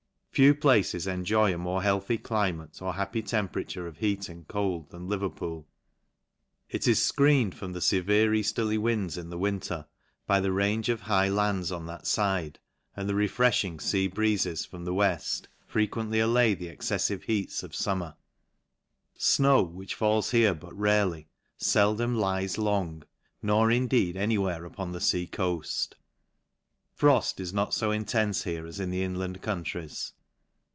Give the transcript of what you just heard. Few places enjoy a more healthy climate, or hap py temperature of heat and cold, than Leverpool, It is fcreened from the fevere eafterly winds in the winter, by the range of high lands on that fide; and the refrefhing fea breezes from the weft, fre quently allay the exceffive heats of fummer. Snow,. which falls here but rarely, feldom lies long, nor indeed any where upon the fea cort. Froft is never fo intenfe here as in the inland countries.